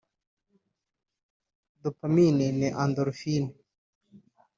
dopamine na endorphine